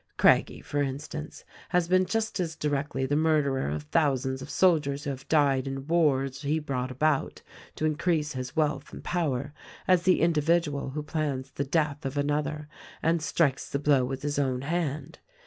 Craggie, for instance, has been just as directly the murderer of thousands of soldiers who have died in wars he brought about to increase his wealth and power as the individual who plans the death of another and strikes the blow with his own hand.